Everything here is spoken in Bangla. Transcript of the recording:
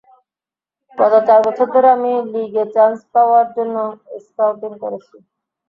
গত চার বছর ধরে, আমি লীগে চান্স পাওয়ার জন্য স্কাউটিং করেছি।